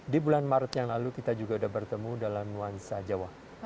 di bulan maret yang lalu kita juga sudah bertemu dalam nuansa jawa